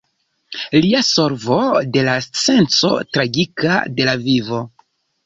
Lia solvo: "De la senco tragika de la vivo".